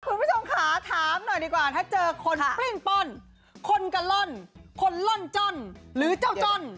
คุณผู้ชมค่ะถามหน่อยดีกว่าถ้าเจอคนปิ้งป้อนคนกะล่อนคนล่อนจ้อนหรือเจ้าจ้อน